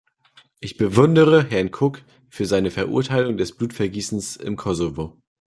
Ich bewundere Herrn Cook für seine Verurteilung des Blutvergießens im Kosovo.